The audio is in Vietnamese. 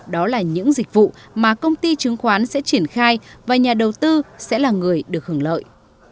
đó là những dịch vụ mà công ty chứng khoán sẽ triển khai và nhà đầu tư sẽ là người được hưởng lợi